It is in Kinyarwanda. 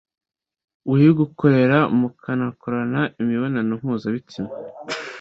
uyigukorera mukanakorana imibonano mpuzabitsina